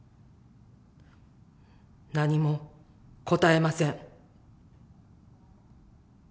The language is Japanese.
何も答えません。